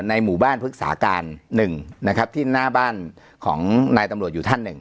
หมู่บ้านพฤกษาการหนึ่งนะครับที่หน้าบ้านของนายตำรวจอยู่ท่านหนึ่ง